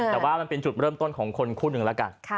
แต่ว่ามันเป็นจุดเริ่มต้นของคนคู่หนึ่งแล้วกัน